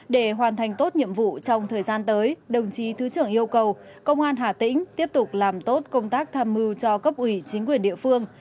để hoàn thành tốt nhiệm vụ trong thời gian tới đồng chí thứ trưởng yêu cầu công an hà tĩnh tiếp tục làm tốt công tác tham mưu cho cấp ủy chính quyền địa phương